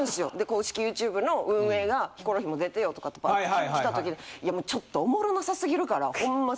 公式ＹｏｕＴｕｂｅの運営が「ヒコロヒーも出てよ」とかってパッと来た時に「いやもうちょっとおもろなさすぎるからホンマ